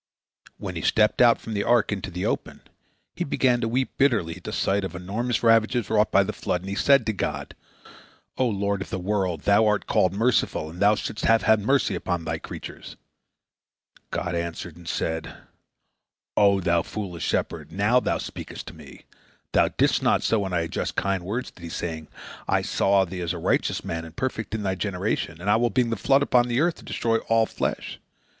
When he stepped out from the ark into the open, he began to weep bitterly at sight of the enormous ravages wrought by the flood, and he said to God: "O Lord of the world! Thou art called the Merciful, and Thou shouldst have had mercy upon Thy creatures." God answered, and said: "O thou foolish shepherd, now thou speakest to Me. Thou didst not so when I addressed kind words to thee, saying: 'I saw thee as a righteous man and perfect in thy generation, and I will bring the flood upon the earth to destroy all flesh.